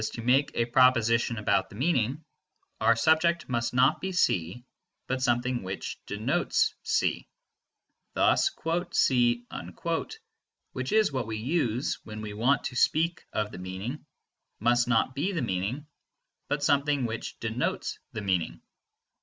to make a proposition about the meaning, our subject must not be C, but something which denotes C. Thus "C," which is what we use when we want to speak of the meaning, must not be the meaning, but must be something which denotes the meaning.